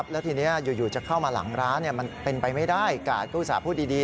แล้วทีนี้อยู่จะเข้ามาหลังร้านมันเป็นไปไม่ได้กาดก็อุตส่าห์พูดดี